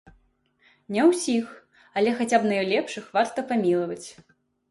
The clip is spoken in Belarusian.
Не ўсіх, але хаця б найлепшых варта памілаваць.